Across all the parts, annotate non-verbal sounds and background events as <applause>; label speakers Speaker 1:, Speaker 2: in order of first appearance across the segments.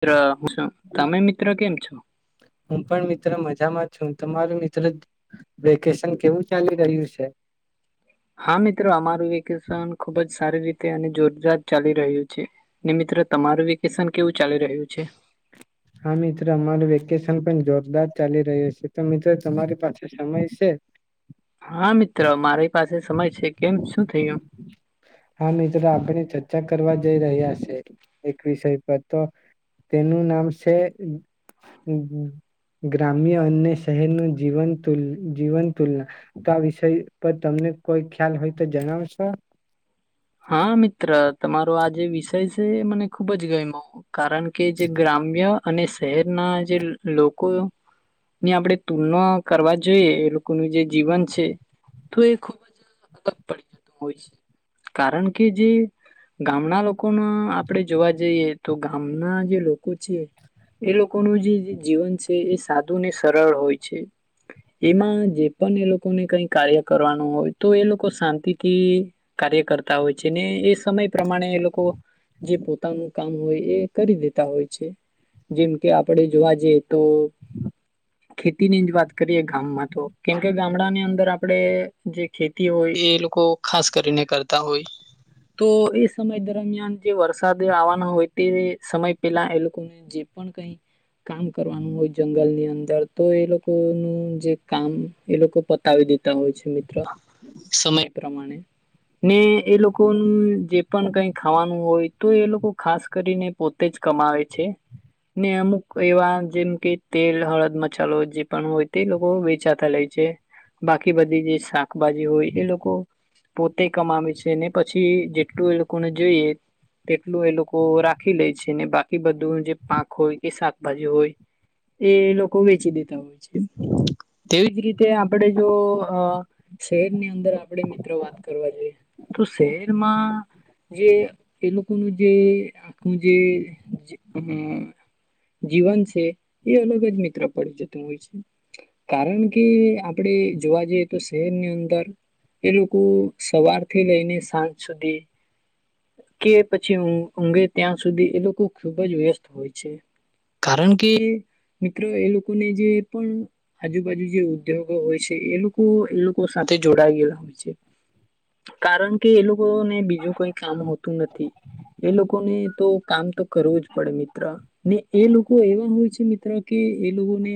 Speaker 1: મિત્ર <unintelligible> તમે મિત્ર કેમ છો?
Speaker 2: હું પણ મિત્ર મજામાં છું. તમારું મિત્ર વેકેશન કેવું ચાલી રહ્યું છે?
Speaker 1: હા મિત્ર, અમારું વેકેશન ખુબ જ સારી રીતે અને જોરદાર ચાલી રહ્યું છે. ને મિત્ર તમારું વેકેશન કેવું ચાલી રહ્યું છે?
Speaker 2: હા મિત્ર અમારું વેકેશન પણ જોરદાર ચાલી રહ્યું છે. તો મિત્ર તમારી પાસે સમય સે?
Speaker 1: હા મિત્ર મારી પાસે સમય છે. કેમ શું થયું?
Speaker 2: હા મિત્ર આપણે ચર્ચા કરવા જઈ રહ્યા છે, એક વિષય પર. તો તેનું નામ છે, ગ્રામ્ય અને શહેરનું જીવન તુંલ જીવન તુલના. તો વિષય પર તમને કોઈક ખ્યાલ હોય તો જણાવશો?
Speaker 1: હા, મિત્ર. તમારો આ જે વિષય સ એ મને ખુબ જ ગયમું કારણ કે, જે ગ્રામ્ય અને શહેરના જે લોકોની આપણે તુલના કરવા જોઈએ એ લોકોનું જે જીવન છે. તો એ ખૂબ જ અલગ પડી જતું હોય છે. કારણ કે, જે ગામના લોકોના આપણે જોવા જઈએ, તો ગામના જે લોકો છે એ લોકોનું જે જીવન છે. એ સાદું ને સરળ હોય છે. એમાં જે પણ એ લોકોને કઈ કાર્ય કરવાનું હોય તો, એ લોકો શાંતિથી કાર્ય કરતા હોય છે ને એ સમય પ્રમાણે એ લોકો જે પોતાનું કામ હોય, એ કરી દેતા હોય છે જેમ કે, આપડે જોવા જઈએ તો, ખેતીની જ વાત કરીએ ગામમાં તો કેમકે ગામડાની અંદર આપણેે જે ખેતી હોય એ લોકો ખાસ કરીને કરતા હોય તો એ સમય દરમિયાન જે વરસાદ આવવાના હોય, તે સમય પેલા એ લોકોને જે પણ કઈ કામ કરવાનું હોય, જંગલની અંદર તો એ લોકો નું જે કામ એ લોકો પતાવી દેતા હોય છે. ત્ર સમય. પ્રમાણે, ને એ લોકોનું જે પણ કઈ ખાવાનું હોય, તો એ લોકો ખાસ કરીને પોતે જ કમાવે છે ને અમુક એવા જેમ કે તેલ, હળદ, મછાલો જે પણ હોય, તે લોકો વેચાતા લે છે બાકી બધી જે શાકભાજી હોય એ લોકો પો તે કમાવે છે, ને પછી જેટલું એ લોકોને જોઈએ તેટલું એ લોકો રાખી લે છે, ને બાકી બધું જે પાક હોય કે શાકભાજી હોય, એ લોકો વેચી દેતા હોય છે. તેવી જ રીતે આપણે જો અ શહેરની અંદર આપણે મિત્રો વાત કરવા જઈએ, તો શહેરમાં જે એ લોકોનું જે જે અ જીવન છે. એ અલગ જ મિત્ર પડી જતું હોય છે. કારણ કે આપડ જોવા જઈએ તો શહેરની અંદર એ લોકો સવારથી લઈને સાંજ સુધી કે પછી, અંગે ત્યાં સુધી એ લોકો ખુબ જ વ્યસ્ત હોય છે. કારણ કે મિત્રો એ લોકોને જે પણ આજુબાજુ જે ઉદ્યોગો હોય છે. એ લોકો એ લોકો સાથે જોડાય ગેલા હોય છે. કારણ કે, એ લોકોને બીજું કઈ કામ હોતું નથી. એ લોકોને તો કામ તો કરવું જ પડે. મિત્ર ને એ લોકો એવા હોય છે, મિત્ર કે એ લોકોને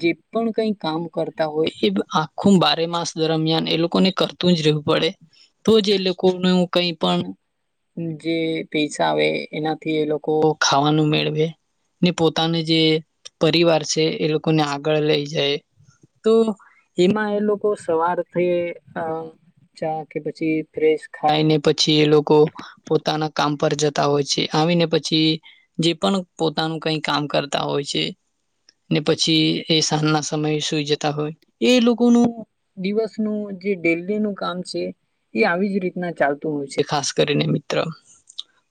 Speaker 1: જે પણ કઈક કામ કરતા હોય એ આખું બારે માસ દરમિયાન એ લોકોને કર તું જ રહુ પડે. તો જે એ લોકોનું કઈ પણ જે પૈસા આવે એનાથી એ લોકો ખાવાનું મેળવે ને પોતાના જે પરિવાર છે. એ લોકોને આગળ લઈ જાય તો, એમાં એ લોકો સવાર થી અ ચા કે પી ફ્રેશ ખાયને પછી, એ લોકો પોતાના કામ પર જતા હોય છે. આવીને પછી જે પણ પોતાનું કઈ કામ કરતા હોય છે. ને પછી, એ સાંજ ના સમય સુઈ જતા હોય. એ લોકોનું દિવસનું જે ડેલીનું કામ છે. એ આવી જ રીતના ચાલતું હોય છે. ખાસ કરીને મિત્ર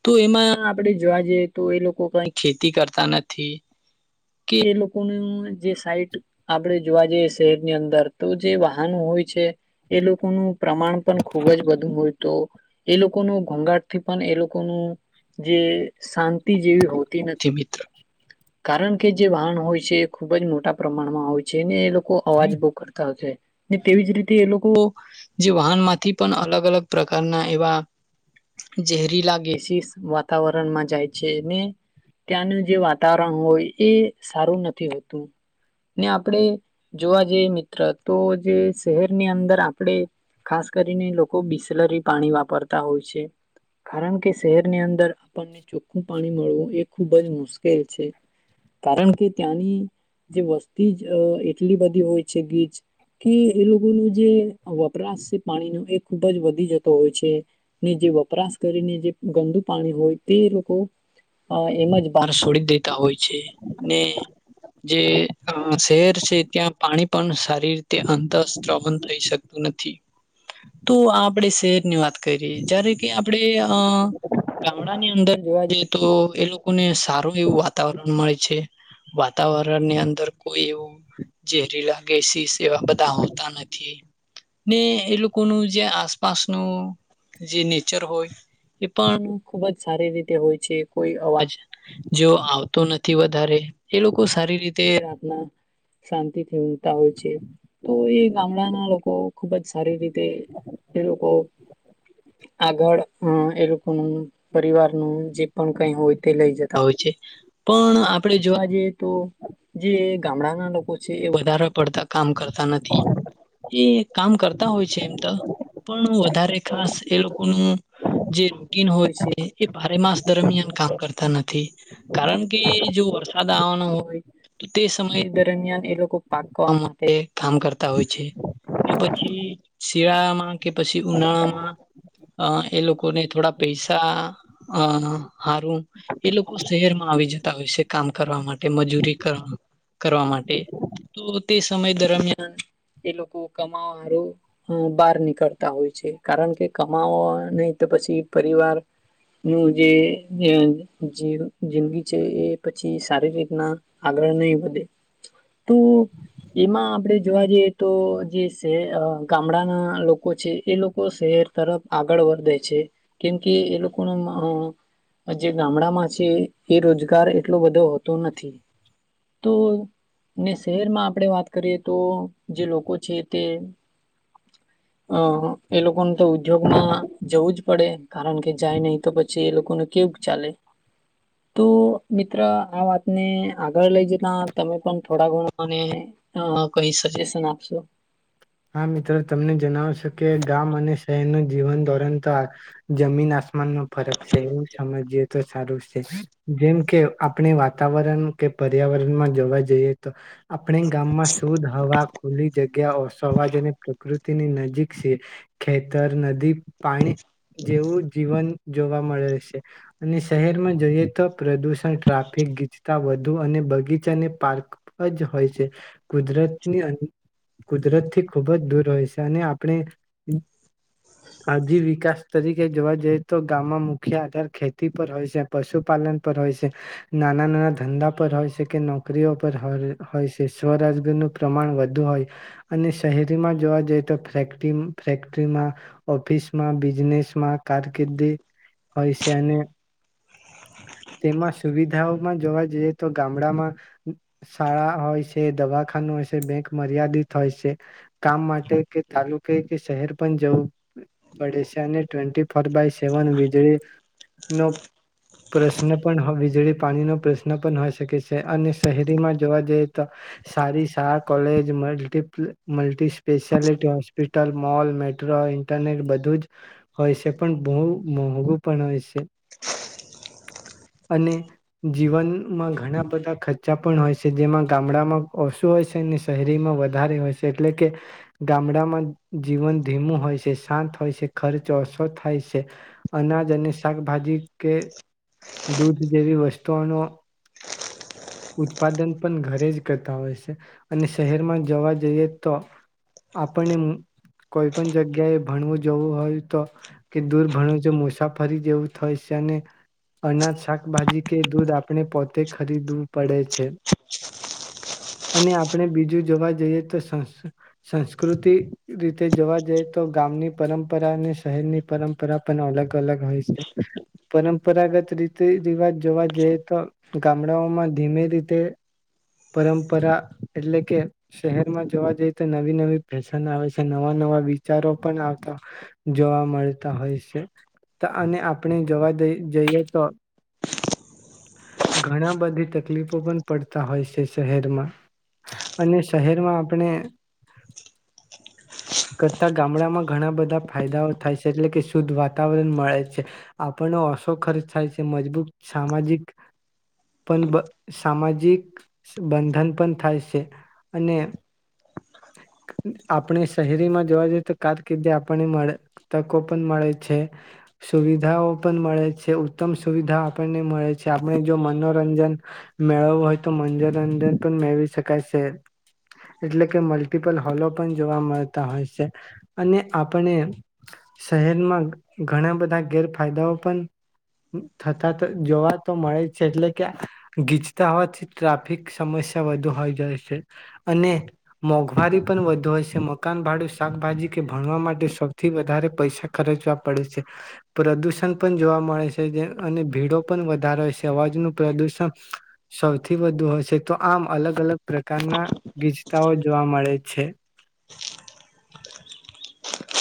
Speaker 1: તો એમાં આપણે જોવા જઈએ, તો એ લોકો કઈ ખેતી કરતા નથી, કે એ લોકોનું જે સાઈટ આપણે જોવા જઈએ. શહેરની અંદર તો જે વાહનો હોય છે. એ લોકોનું પ્રમાણ પણ ખૂબ જ વધુ હોય તો, એ લોકોનું ઘોંઘાટથી પણ એ લોકોનું જે શાંતિ જેવી હોતી નથી મિત્ર. કારણ કે, જે વાહન હોય છે, એ ખુબ જ મોટા પ્રમાણમાં હોય છે. ને એ લોક લોકો અવાજ બોવ કરતા <unintelligible> ને તેવી જ રીતે એ લોકો જે વાહનમાંથી પણ અલગ-અલગ પ્રકારના એવા ઝેરીલા ગેસીસ વાતાવરણમાં જાય છે, ને ત્યાંનું જે વા તાવરણ હોય, એ સારું નથી હોતું, ને આપણે જોવા જઈએ મિત્ર તો જે શહેરની અંદર આપણે ખાસ કરીને લોકો બિસલરી પાણી વાપરતા હોય છે, કારણ કે, શહેરની અંદર આપણને ચોખ્ખું પાણી મળવું, એ ખૂબ જ મુશ કેલ છે, કારણ કે, ત્યાંની જે વસ્તી જ અહ એટલી બધી હોય છે ગીચ, કે એ લોકોનું જે આ વપરાશી પાણી નું એ ખુબ જ વધી જતો હોય છે, ને જે વપરાશ કરીને, જે ગંદુ પાણી હોય, તે લોકો એમ જ વા સોડી દેતા હોય છે, ને જે અહ શહેર છે ત્યાં પાણી પણ સારી રીતે અંતસ્રવત થઈ શકતું નથી. તો આ આપણે શહેરની વાત કરી. જ્યારે કે આપણે અહ ગામડાની અંદર જોવા જઈએ તો એ લોકોને સારું એવું વાતાવરણ મળે છે. વાતાવરણની અંદર કોઈ એવું જે રિલાગેસીસ એવા બધા હોતા નથી, ને એ લોકોનું જે આસપાસનું જે નેચર હોય એ પણ ખૂબ જ સારી રીતે હોય છે. કોઈ અવાજ જો આવતો નથી, વધારે એ લોકો સારી રીતે રાતના શાંતિથી ઊંઘતા હોય છે, તો એ ગામડાના લોકો ખુબ જ સારી રીતે એ લોકો આગળ અહ એ લોકોનું પરિવારનું જે પણ કઈ હોય તે લઈ જત તા હોય છે, પણ આપણેે જોવા જઈએ તો જે ગામડાના લોકો છે, એ વધારે પડતા કામ કર તા નથી. એ કામ કરતા હોય છે એમ તો, પણ વધારે ખાસ એ લોકોનું જે રૂટીન હોય છે એ બારે માસ દરમિયાન કામ કરતા ન થી, કારણ કે, જો વરસાદ આવવાનો હોય તો તે સમય દરમિયાન એ લોકો પાકવા માટે કામ કરતા હોય છે. ને પછી શિયાળામાં કે પછી ઉનાળામાં અહ એ લોકોને થોડા પૈસા અહ હારું એ લોકો શહેરમાં આવી જતા હોય છે કામ કરવા માટે, મજૂરી કર કરવા માટે, તો તે સમય દરમિયાન એ લોકો કમાવાવાળુ બહાર નીકળતા હોય છે, કારણ કે કમાવવા નહીં તો પછી પરિવારનું જે અહ જે જિંદગી છે એ પછી સારી રીતના આગળ નહી વધે. તો એમાં આપણેે જોવા જઈએ તો જે શહે અહ ગામડાના લોકો છે, એ લોકો શહેર તરફ આગળ વધે છે, કેમકે એ લોકોનો મહ જે ગામડામાં છે એ રોજગાર એટલો બધ તો હોતો નથી. તો ને શહેરમાં આપડે વાત કરીએ તો જે લોકો છે તે અહ એ લોકો ન તો ઉદ્યોગમાં જવું જ પડે કારણ કે જાય નહીં તો પછી એ લોકોને કેયૂ ચાલે તો મિત્ર આ વાતને આગળ લઈ જતા તમે પણ થોડા ઘણાને અહ કઈ સજેશન આપશો.
Speaker 2: હા મિત્ર, તમને જણાવશે કે ગામ અને શહેરનું જીવન ધોરણ તોઆ જમીન આસ માન નો ફરક છે, એવું સમજીએ. તો સારું છે. જેમ કે આપણે વાતાવરણ કે પર્યાવરણમાં જોવા જઈએ તો આપણે ગામમાં શુદ્ધ હવા, ખુલ્લી જગ્યા, ઓશ અવાજ અને પ્રકૃતિની નજીક છે, ખેતર, નદી, પાણી જેવું જીવન જોવા મળે છે અને શહેરમાં જોઈએ તો પ્રદુષણ, ટ્રાફિક, ગીચતા વધુ અને બગીચા ને પાર્ક જ હોય છે, કુદરત ની અન કુદરત થી ખૂબ જ દૂર હોય છે અને આપણે આજી વિકાસ તરીકે જોવા જઈએ તો ગામમાં મુખ્ય આધાર ખેતી પર હોય છે, પશુપાલન પર હોય છે, નાના નાના ધંધા પર હોય છે, કે નોકરીઓ પર હોલ હોય છે, સ્વરાજગારી નું પ્રમાણ વધુ હોય અને શહેરીમાં જોવા જઈએ તો ફેક્ટરી ફેક્ટરીમાં, ઓફિસમાં, બિઝનેસમાં કારકિર્દી હોય છે અને તેમાં સુવિધાઓમાં જોવા જઈએ તો ગામડામાં શાળા હોય છે, દવાખાનું હોય છે, બેંક મર્યાદિત હોય છે. કામ માટે કે તાલુકે, કે શહેર પણ જવું પડે છે અને ટ્વેન્ટી ફોર બાય સેવન વીજળી ન પ્રશ્ન પણ હ વીજળી, પાણી નો પ્રશ્ન પણ હોય શકે છે, અને શહેરીમાં જોવા જઈએ તો સારી શાળા, college મલ્ટીપ્લે multi speciality hospital, mall, metro, internet બધું જ હોય છે પણ ભૂ બહુ મોંઘું પણ હોય છે અને જીવનમાં ઘણા બધા ખર્ચા પણ હોય છે, જેમાં ગામડામાં ઓછું હોય છે અને શહેરીમાં વધારે હોય છે. એટલે કે ગામડામાં જીવન ધીમું હોય છે, શાંત હોય છે, ખર્ચ ઓછો થાય છે, અનાજ અને શાકભાજી કે દૂધ જેવી વસ્તુઓનો ઉત્પાદન પણ ઘરે જ કરતા હોય છે, અને શહેરમાં જવા જઈએ તો આપણે કોઈ પણ જગ્યાએ ભણવું જવું હોય તો કે દૂર ભણું જો મુસાફરી જેવું થાય છે અને અનાજ, શાકભાજી કે દૂધ આપણે પોતે ખરીદવું પડે છે, અને આપણે બીજું જોવા જઈએ તો સંસ્ સંસ્કૃતિ રીતે જોવા જઈએ તો ગામની પરંપરા અને શહેરની પરંપરા પણ અલગ અલગ હોય છે. પરંપરાગત રીતે રિવાજ જોવા જઈએ તો ગામડાઓમાં ધીમે રીતે પરંપરા એટલે કે શહેરમાં જોવા જઈએ તો નવી નવી ફેશન આવે છે, નવા નવા વિચારો પણ આવતા જોવા મળતા હોય છે તો અને આપણે જવા દ જઈએ તો ઘણા બધી તકલીફો પણ પડતા હોય છે શહેરમાં, અને શહેરમાં આપણે કરતા ગામડામાં ઘણા બધા ફાયદાઓ થાય છે એટલે કે શુદ્ધ વાતાવરણ મળે છે, આપણ ને ઓછો ખર્ચ થાય છે, મજબૂત સામાજિક પણ સામાજિક બંધન પણ થાય છે, અને આપણે શહેરીમાં જોવા જઈએ તો કારકિર્દી આપણને મળે તકો પણ મળે છે, સુવિધાઓ પણ મળે છે ઉત્તમ સુવિધાઓ આપણને મળે છે, આપણે જો મનોરંજન મેળવવું હોય તો મનોરંજન પણ મેળવી શકાય છે, એટલે કે મલ્ટિપલ હોલો પણ જોવા મલ તા હોય છે અને આપણે શહેરમાં ઘણા બધા ગેરફાયદાઓ પણ થતા તો જોવા તો મળે છે એટલે કે ગીચતા હોવાથી ટ્રાફિક સમસ્યા વધુ હોય જાય છે, અને મોંઘવારી પણ વધુ હોય છે. દુકાન ભાડું શાકભાજી કે ભણવા માટે સૌથી વધારે પૈસા ખર્ચવા પડે છે, પ્રદુષણ પણ જોવા મળે છે જે અને ભીડો પણ વધારેય છે, અવાજ નું પ્રદુષણ સૌથી વધુ હોય છે ‌, તો આમ અલગ અલગ પ્રકારના ગીચતાઓ જોવા મળે છે.